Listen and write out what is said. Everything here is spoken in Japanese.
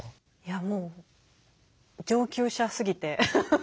もう上級者すぎて。